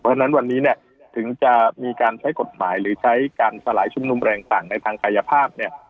เพราะฉะนั้นวันนี้เนี่ยถึงจะมีการใช้กฎหมายหรือใช้การสลายชุมนุมแรงต่างในทางกายภาพเนี่ย